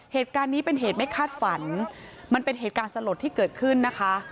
เหตุการณ์นี้เป็นเหตุไม่คาดฝันมันเป็นเหตุการณ์สลดที่เกิดขึ้นนะคะ